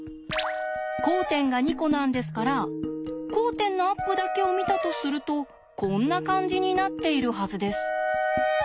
交点が２コなんですから交点のアップだけを見たとするとこんな感じになっているはずです。